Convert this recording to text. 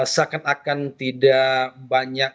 seakan akan tidak banyak